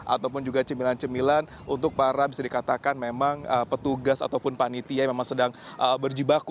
ataupun juga cemilan cemilan untuk para bisa dikatakan memang petugas ataupun panitia yang memang sedang berjibaku